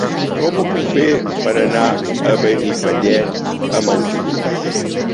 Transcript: Com ho puc fer per anar a Benifallet amb autobús?